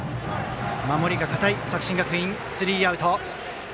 守りが堅い作新学院スリーアウト。